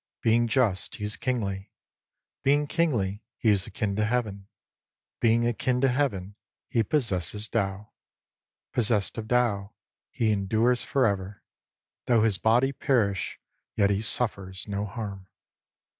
Being just, he is kingly. Being kingly, he is akin to Heaven. Being akin to Heaven, he possesses Tao. Possessed of Tao, he endures for ever. Though his body perish, yet he suffers no harm.